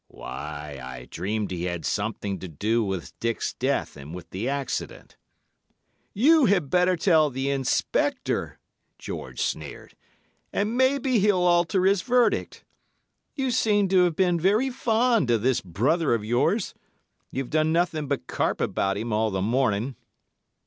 "'Why, I dreamed he had something to do with Dick's death and with the accident.' "'You had better tell the Inspector,' George sneered. 'And maybe he'll alter his verdict. You seem to have been very fond of this brother of yours. You've done nothing but carp about him all the morning.